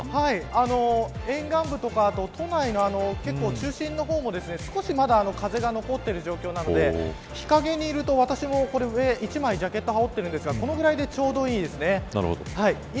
沿岸部とか、都内の中心の方も少しまだ風が残っている状況なので日陰にいると、私も上１枚ジャケットを羽織っていますがこのぐらいでちょうどいいですね。